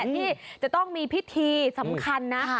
ที่จะต้องมีพิธีสำคัญนะ